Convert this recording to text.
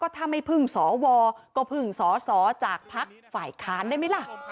ถ้าไม่พึ่งสวก็พึ่งสอสอจากพักฝ่ายค้านได้ไหมล่ะ